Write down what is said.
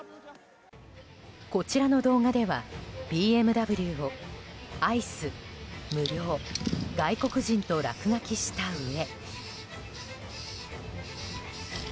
こちらの動画ではＢＭＷをアイス、無料、外国人と落書きしたうえ。